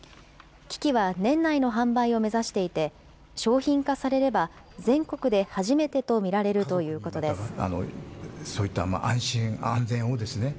機器は年内の販売を目指していて、商品化されれば、全国で初めてと見られるということです。